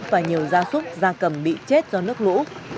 và nhiều gia súc gia cầm bị chết do nước lũ